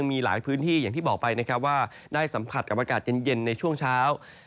มีหลายพื้นที่อย่างที่บอกไปนะครับว่าได้สัมผัสกับอากาศเย็นในช่วงเช้า